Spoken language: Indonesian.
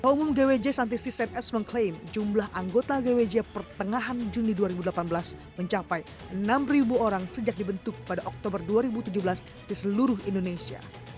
umum gwj santisis ns mengklaim jumlah anggota gwj pertengahan juni dua ribu delapan belas mencapai enam orang sejak dibentuk pada oktober dua ribu tujuh belas di seluruh indonesia